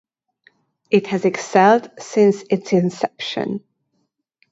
It has excelled since its inception.